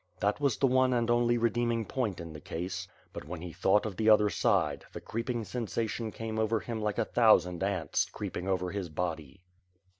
That was the one and only redeeming point in the case. But when he thought of the other side, the creeping sensation came over him like a thousand ants creeping over his body.